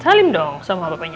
salim dong sama bapaknya